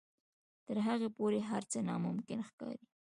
تر هغې پورې هر څه ناممکن ښکاري.